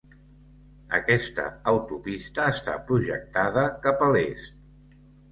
Aquesta autopista està projectada cap a l'est.